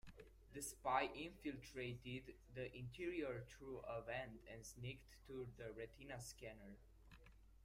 The spy infiltrated the interior through a vent and sneaked to the retina scanner.